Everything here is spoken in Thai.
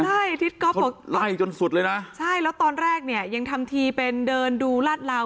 ใช่ที่ก๊อฟบอกไล่จนสุดเลยนะใช่แล้วตอนแรกเนี่ยยังทำทีเป็นเดินดูลาดลาว